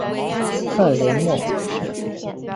克雷莫。